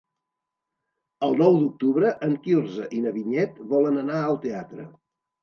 El nou d'octubre en Quirze i na Vinyet volen anar al teatre.